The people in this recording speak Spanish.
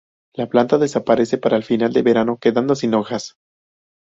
La planta desaparece para el final del verano, quedando sin hojas.